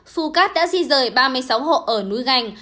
phu cát đã di rời ba mươi sáu hộ ở núi gành